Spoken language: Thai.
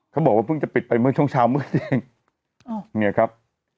เขาบอกว่าเพิ่งจะปิดไปเมื่อช่วงเช้ามืดเองอ้าวเนี่ยครับ